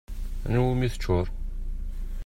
Anwa iwimi teččur?